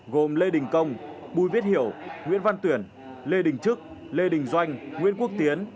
gồm lê đình công bùi viết hiểu nguyễn văn tuyển lê đình trức lê đình doanh nguyễn quốc tiến